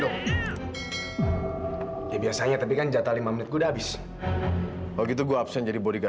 kebaikan misin gua sama anak gua sendiri lu bilang itu baik